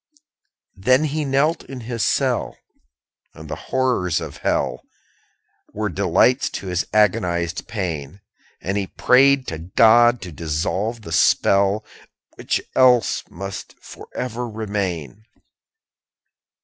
7. Then he knelt in his cell: And the horrors of hell Were delights to his agonized pain, And he prayed to God to dissolve the spell, _40 Which else must for ever remain.